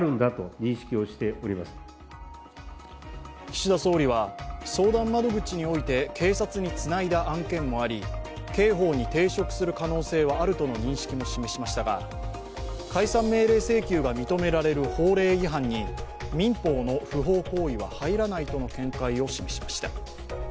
岸田総理は相談窓口において警察につないだ案件もあり、刑法に抵触する可能性はあるとの認識も示しましたが解散命令請求が認められる法令違反に民法の不法行為は入らないとの見解を示しました。